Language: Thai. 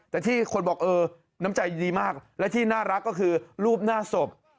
แต่ที่คนบอกเออน้ำใจดีมากและที่น่ารักก็คือรูปหน้าศพ